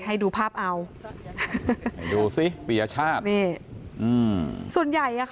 ให้ดูภาพร้าวฮะหนูสิปียชาธน์นี่อืมส่วนใหญ่